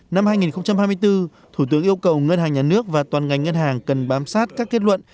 năm hai nghìn hai mươi bốn thủ tướng yêu cầu ngân hàng nhà nước và toàn ngành ngân hàng cần bám sát các kết luận